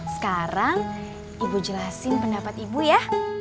sekarang ibu jelasin pendapat ibu ya